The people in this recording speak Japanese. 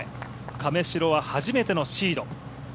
亀代は初めてのシード。